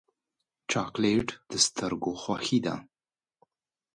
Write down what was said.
چاکلېټ د سترګو خوښي ده.